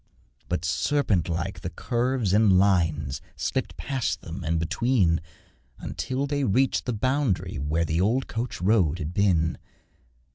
But serpent like the curves and lines Slipped past them, and between, Until they reached the bound'ry where The old coach road had been.